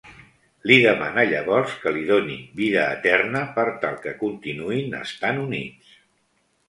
Li demana llavors que li doni vida eterna per tal que continuïn estant units.